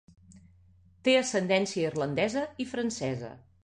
Té ascendència irlandesa i francesa.